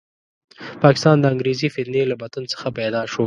پاکستان د انګریزي فتنې له بطن څخه پیدا شو.